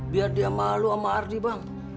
biar dia malu sama ardi bang